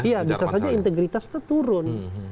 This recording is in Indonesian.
iya bisa saja integritasnya turun